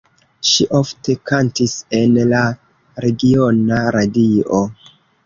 Ŝi ofte kantis en la regiona radio.